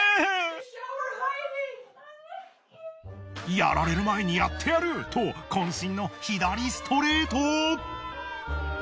やられる前にやってやる！とこん身の左ストレート！